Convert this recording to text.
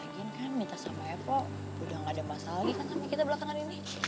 lagian kan mita sama evo udah gak ada masa lagi kan sama kita belakangan ini